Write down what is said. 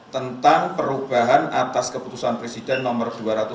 tentang perubahan atas keputusan presiden nomor dua ratus dua puluh